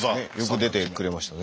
出てくれましたね。